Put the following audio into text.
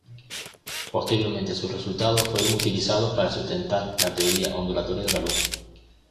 Posteriormente sus resultados fueron utilizados para sustentar la teoría ondulatoria de la luz.